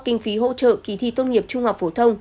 kinh phí hỗ trợ kỳ thi tốt nghiệp trung học phổ thông